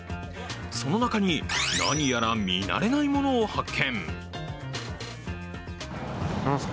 その中に、何やら見慣れないものを発見。